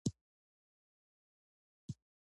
د پلورنځي کارکوونکي باید د پیرودونکو سره مرسته وکړي.